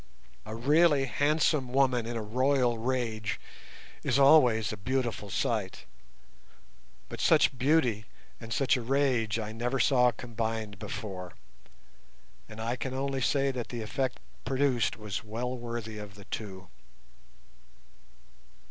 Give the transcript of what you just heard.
A really handsome woman in a royal rage is always a beautiful sight, but such beauty and such a rage I never saw combined before, and I can only say that the effect produced was well worthy of the two.